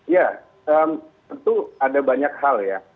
ya tentu ada banyak hal ya